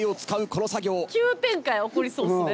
急展開起こりそうっすね。